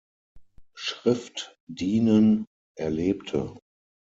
Schrift dienen" erlebte.